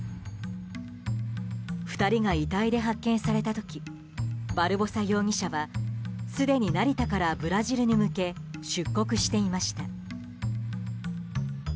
２人が遺体で発見された時バルボサ容疑者はすでに成田からブラジルに向け出国していました。